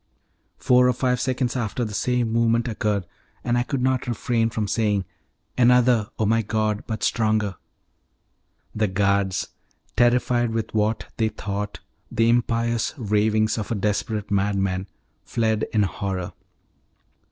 Four or five seconds after the same movement occurred, and I could not refrain from saying, "Another, O my God! but stronger." The guards, terrified with what they thought the impious ravings of a desperate madman, fled in horror.